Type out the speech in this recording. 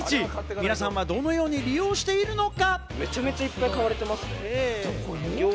皆さんはどのように利用しているのか？